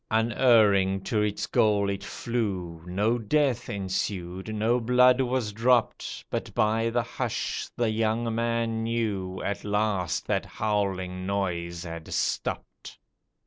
Unerring to its goal it flew, No death ensued, no blood was dropped, But by the hush the young man knew At last that howling noise had stopped.